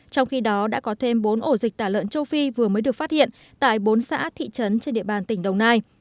trong khi đó đã có thêm bốn ổ dịch tả lợn châu phi vừa mới được phát hiện tại bốn xã thị trấn trên địa bàn tỉnh đồng nai